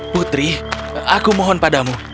putri aku mohon padamu